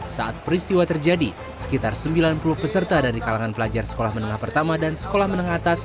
saat peristiwa terjadi sekitar sembilan puluh peserta dari kalangan pelajar sekolah menengah pertama dan sekolah menengah atas